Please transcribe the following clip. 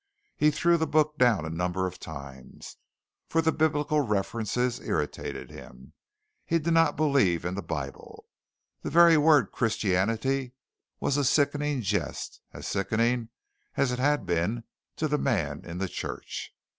He threw the book down a number of times, for the Biblical references irritated him. He did not believe in the Bible. The very word Christianity was a sickening jest, as sickening as it had been to the man in the church.